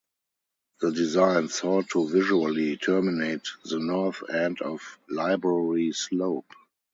The design sought to visually terminate the north end of Library Slope.